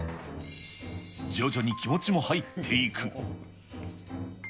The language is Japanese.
徐々に気持ちも入っていく。